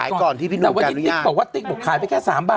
ขายก่อนที่พี่หนุ่มการอนุญาตแต่ว่าที่ติ๊กบอกว่าติ๊กหมดขายไปแค่สามบาท